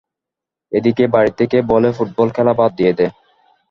এদিকে বাড়ি থেকে বলে ফুটবল খেলা বাদ দিয়ে দে।